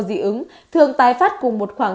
dị ứng thường tái phát cùng một khoảng